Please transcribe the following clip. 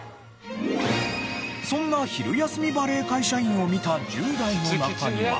そんな昼休みバレー会社員を見た１０代の中には。